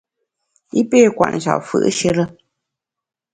I pé kwet njap fù’shire.